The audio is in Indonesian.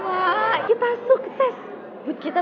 gak kepake kayak gitu